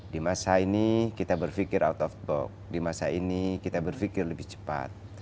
di masa ini kita berpikir out of box di masa ini kita berpikir lebih cepat